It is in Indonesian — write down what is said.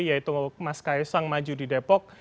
yaitu mas kaisang maju di depok